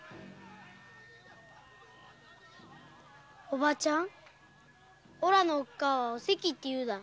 おばちゃんおらのおっかあはおせきっていうんだ。